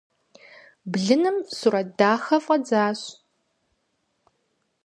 Блыным сурэт дахэ фӀадзащ.